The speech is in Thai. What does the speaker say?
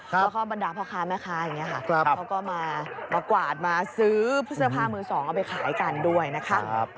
แล้วก็บรรดาพ่อค้าแม่ค้าอย่างนี้ค่ะเขาก็มากวาดมาซื้อเสื้อผ้ามือสองเอาไปขายกันด้วยนะคะ